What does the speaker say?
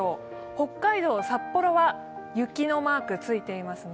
北海道札幌は雪のマークついていますね。